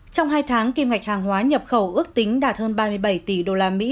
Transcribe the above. trong hai tháng kim ngạch hàng hóa nhập khẩu ước tính đạt hơn ba mươi bảy tỷ usd